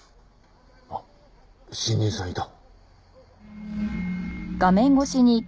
あっ新人さんいた。